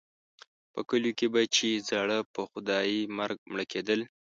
په کلیو کې به چې زاړه په خدایي مرګ مړه کېدل.